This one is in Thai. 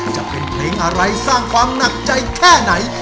จะเป็นเพลงอะไรสร้างความหนักใจแค่ไหน